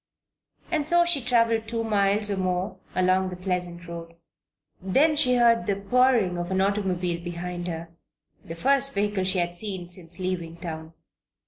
And so she traveled two miles, or more, along the pleasant road. Then she heard the purring of an automobile behind her the first vehicle that she had seen since leaving town.